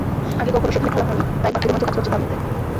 আগে কখনো সেখানে খেলা হয়নি, তাই বাড়তি রোমাঞ্চ কাজ করছে তাঁর মধ্যে।